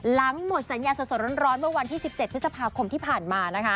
หลังหมดสัญญาสนสนร้อนเมื่อวันที่๑๗พฤษภาคมที่ผ่านมา